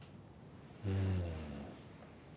うん。